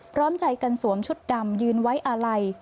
พร้อมใจกันสวมชุดดำยืนไว้อาลัย